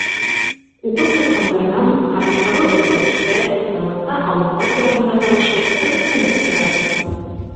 Уҡып ҡайтҡандарҙан тармаҡтағы үҙгәрештәр, заманса алымдар тураһында һорашып, ҡыҙыҡһынып торабыҙ.